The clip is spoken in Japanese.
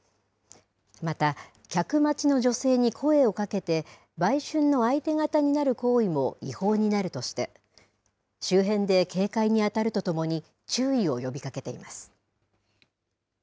また、客待ちの女性に声をかけて、売春の相手方になる行為も違法になるとして、周辺で警戒に当たるとともに、注意を呼びかけています。